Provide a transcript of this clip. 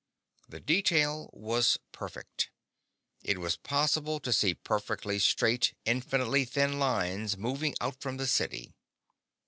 The detail was perfect. It was possible to see perfectly straight, infinitely thin lines moving out from the city.